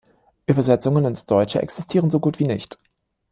Übersetzungen ins Deutsche existieren so gut wie nicht.